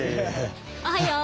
おはよう。